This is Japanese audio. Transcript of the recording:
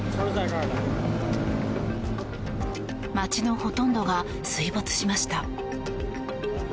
街のほとんどが水没しました。